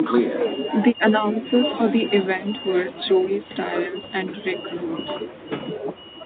The announcers for the event were Joey Styles and Rick Rude.